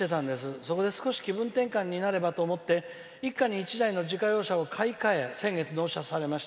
そこで、少し気分転換になればと思って一家に１台の自家用車を買い替え先月、納車されました。